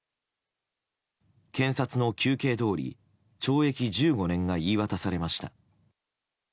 検察の求刑どおり懲役１５年が言い渡されました。